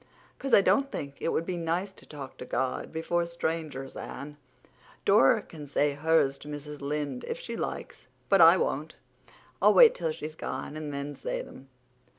"'Cause I don't think it would be nice to talk to God before strangers, Anne. Dora can say hers to Mrs. Lynde if she likes, but I won't. I'll wait till she's gone and then say 'em.